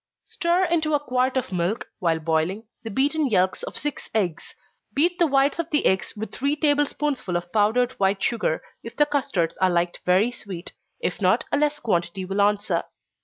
_ Stir into a quart of milk, while boiling, the beaten yelks of six eggs. Beat the whites of the eggs with three table spoonsful of powdered white sugar, if the custards are liked very sweet if not, a less quantity will answer.